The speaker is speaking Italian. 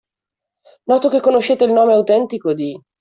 Noto che conoscete il nome autentico di.